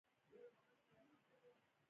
شاته پاتې ټولنه د خپلو حقونو په اړه پوهه کوي.